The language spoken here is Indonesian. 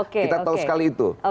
kita tahu sekali itu